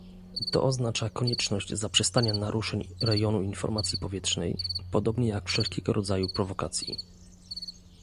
To oznacza konieczność zaprzestania naruszeń rejonu informacji powietrznej, podobnie jak wszelkiego rodzaju prowokacji